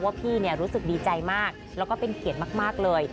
พี่รู้สึกดีใจมากแล้วก็เป็นเกียรติมากเลย